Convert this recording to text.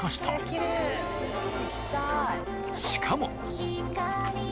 しかも。